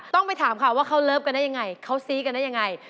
ต้องไปถามค่ะว่าเขาเลิฟกันได้ยังไงเขาซี้กันได้ยังไง